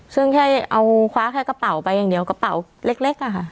ซึ่งแค่เอาคว้าแค่กระเป๋าไปอย่างเดียวกระเป๋าเล็กอะค่ะ